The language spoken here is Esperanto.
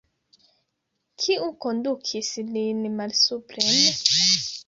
Kiu kondukis lin malsupren?